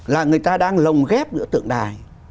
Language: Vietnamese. là người ta đang lồng ghép giữa tượng đài